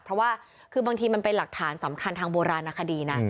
เพราะว่าคือบางทีมันเป็นหลักฐานสำคัญทางโบราณคดีนะ